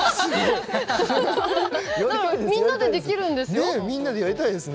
みんなでできるんですよ。ですよね？